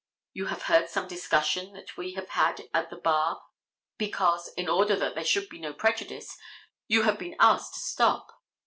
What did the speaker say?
You have heard some discussion that we have had at the bar because, in order that there should be no prejudice, you have been asked to stop.